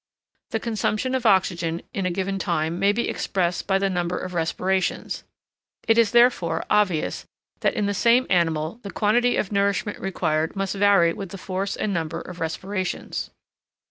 The consumption of oxygen in a given time may be expressed by the number of respirations; it is, therefore, obvious that in the same animal the quantity of nourishment required must vary with the force and number of respirations.